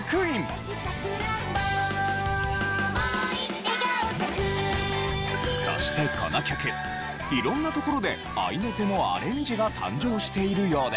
「あたしさくらんぼ」「笑顔咲ク」そしてこの曲色んなところで合いの手のアレンジが誕生しているようで。